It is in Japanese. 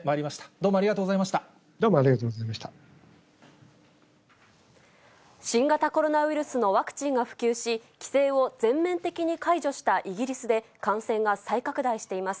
どうもありがとうございまし新型コロナウイルスのワクチンが普及し、規制を全面的に解除したイギリスで、感染が再拡大しています。